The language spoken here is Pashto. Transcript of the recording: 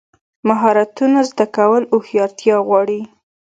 مهارتونه زده کول هوښیارتیا غواړي.